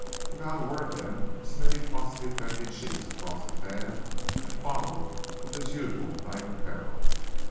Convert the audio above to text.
Without a word then, Smithy tossed the offending sheets across to Thad; and followed with his usual night apparel.